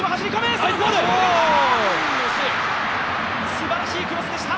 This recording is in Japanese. すばらしいクロスでした。